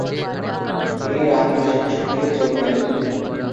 তিনি রামকৃষ্ণ সংঘে যোগ দেন।